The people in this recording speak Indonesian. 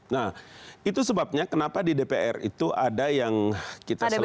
nah itu sebabnya kenapa di dpr itu ada yang kita selesaikan